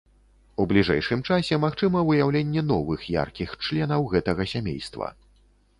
У бліжэйшым часе магчыма выяўленне новых яркіх членаў гэтага сямейства.